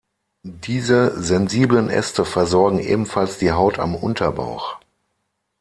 Diese sensiblen Äste versorgen ebenfalls die Haut am Unterbauch.